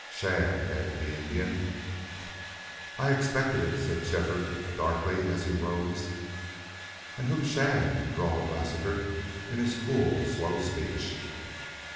"Shadd!" added the Indian. "I expected it," said Shefford, darkly, as he rose. "An' who's Shadd?" drawled Lassiter in his cool, slow speech.